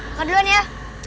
makan duluan ya